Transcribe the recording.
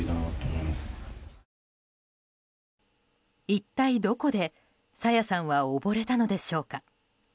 一体どこで朝芽さんは溺れたのでしょうか。